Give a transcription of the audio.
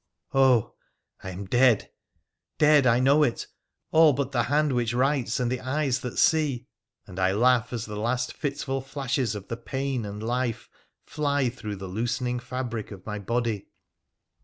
Oh I I am dead — dead, I know it, all but the hand which writes and the eyes that see, and I laugh as the last fitful flashes of the pain and life fly through the loosening fabric of my body.